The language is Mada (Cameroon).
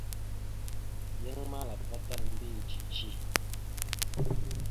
Yan malava tal a mbiyez cici.